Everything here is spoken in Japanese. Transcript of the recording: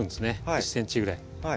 １ｃｍぐらい。